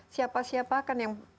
siapa siapa kan yang